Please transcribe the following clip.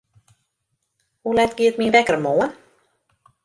Hoe let giet myn wekker moarn?